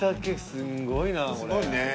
すごいね。